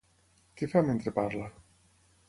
Què fa mentre parla?